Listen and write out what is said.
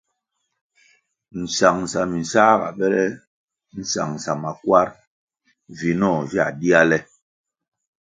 Nsangʼsa minsā ga bele nsangʼsa makwar, vinoh via dia le.